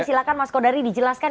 silahkan mas kodari dijelaskan